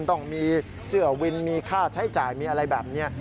ต้องมีเสื้อวินมีค่าใช้จ่ายมีอะไรแบบนี้